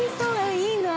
いいなあ。